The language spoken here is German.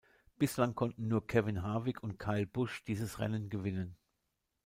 Bislang konnten nur Kevin Harvick und Kyle Busch dieses Rennen gewinnen.